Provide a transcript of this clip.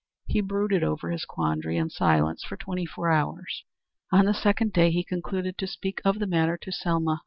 He brooded over his quandary in silence for twenty four hours. On the second day he concluded to speak of the matter to Selma.